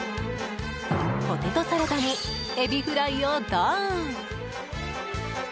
ポテトサラダにエビフライをドーン！